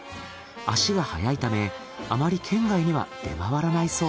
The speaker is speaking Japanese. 足が早いためあまり県外には出回らないそう。